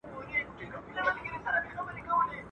خواره بازاري، هغه ته، ها دي خواري.